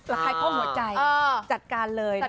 ราคาข้อหัวใจจัดการเลยนะครับ